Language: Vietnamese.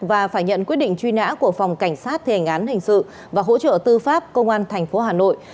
và phải nhận quyết định truy nã của phòng cảnh sát thi hành án hình sự và hỗ trợ tư pháp công an thành phố hà nội